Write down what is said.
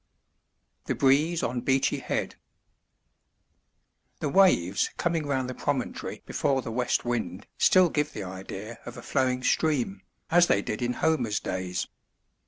THE BREEZE ON BEACHY HEAD The waves coming round the promontory before the west wind still give the idea of a flowing stream, as they did in Homer's days.